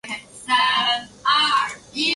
中国古人常常将人和天地及鬼神联系在一起。